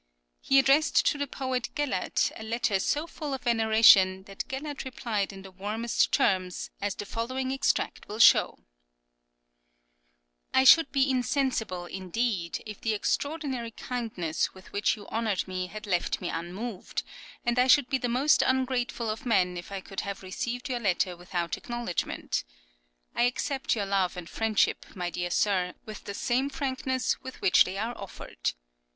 He addressed to the poet Gellert a letter so full of veneration that Gellert replied in the warmest terms, as the following extract will show: I should be insensible, indeed, if the extraordinary kindness with which you honoured me had left me unmoved, and I should be the most ungrateful of men if I could have received your letter without acknowledgment. I accept your love and friendship, my dear sir, with the same frankness with which they are offered.